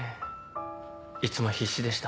いつも必死でした。